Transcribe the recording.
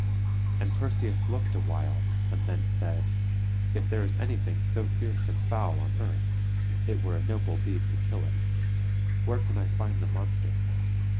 And Perseus looked awhile, and then said: "If there is anything so fierce and foul on earth, it were a noble deed to kill it. Where can I find the monster?"